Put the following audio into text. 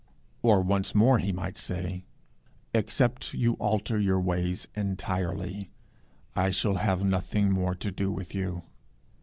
Or, once more, he might say 'Except you alter your ways entirely, I shall have nothing more to do with you.